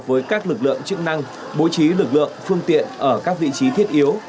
với các lực lượng chức năng bố trí lực lượng phương tiện ở các vị trí thiết yếu